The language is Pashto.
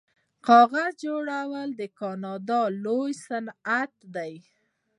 کاغذ جوړول د کاناډا لوی صنعت دی.